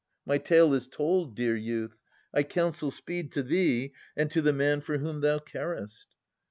My tale is told, dear youth. I counsel speed To thee and to the man for whom thou carest.